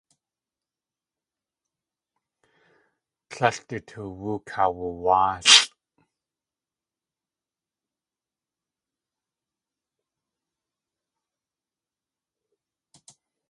Tlél du toowú kawuwáalʼ.